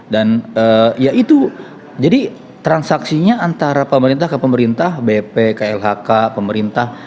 dan ya itu jadi transaksinya antara pemerintah ke pemerintah bp klhk pemerintah